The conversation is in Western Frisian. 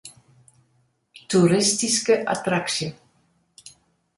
Toeristyske attraksje.